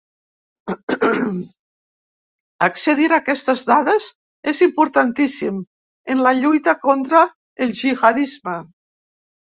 Accedir a aquestes dades és importantíssim en la lluita contra el gihadisme.